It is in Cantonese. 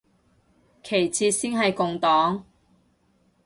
其次先係共黨